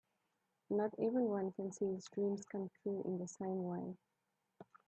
Not everyone can see his dreams come true in the same way.